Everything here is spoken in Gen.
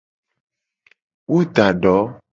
Wo da do.